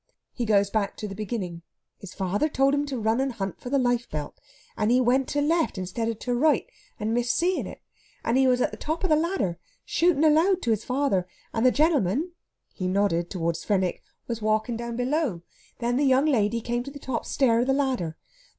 He goes back to the beginning. His father told him to run and hunt round for the life belt, and he went to left instead of to right, and missed of seeing it. And he was at the top o' the ladder, shooat'un aloud to his father, and the gentleman he nodded towards Fenwick was walking down below. Then the young lady came to the top stair of the ladder.